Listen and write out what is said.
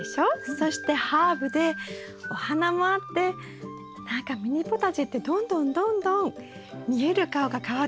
そしてハーブでお花もあって何かミニポタジェってどんどんどんどん見える顔が変わってきて楽しいですね。